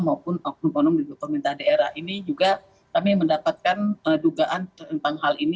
maupun oknum oknum di pemerintah daerah ini juga kami mendapatkan dugaan tentang hal ini